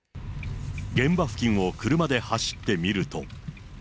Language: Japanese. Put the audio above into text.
現場付近を車で走ってみると。